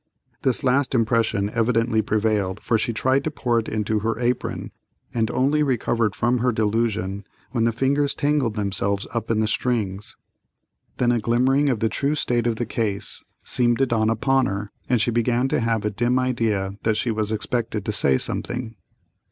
This last impression evidently prevailed, for she tried to pour it into her apron, and only recovered from her delusion when the fingers tangled themselves up in the strings. Then a glimmering of the true state of the case seemed to dawn upon her, and she began to have a dim idea that she was expected to say something.